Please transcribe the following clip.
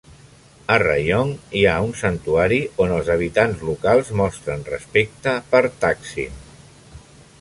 A Rayong hi ha un santuari on els habitants locals mostren respecte per Taksin.